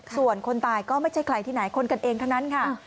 ส่วนคนตายก็ไม่ใช่ใครที่ไหนคนกันเองทั้งนั้นค่ะ